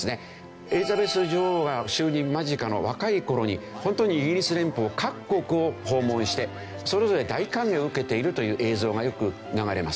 エリザベス女王は就任間近の若い頃にホントにイギリス連邦各国を訪問してそれぞれ大歓迎を受けているという映像がよく流れます。